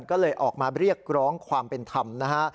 ก็เลยออกมาเรียกร้องความเป็นธรรมนะฮะ